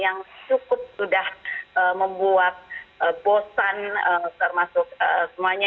yang cukup sudah membuat bosan termasuk semuanya